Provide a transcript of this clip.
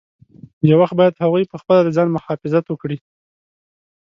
یو وخت باید هغوی پخپله د ځان مخافظت وکړي.